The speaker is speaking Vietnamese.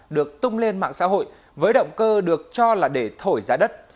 được tung lên mạng xã hội với động cơ được cho là để thổi giá đất